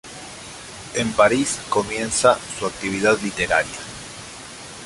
En París comienza su actividad literaria.